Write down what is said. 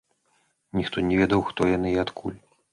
Ніхто не ведаў хто яны і адкуль.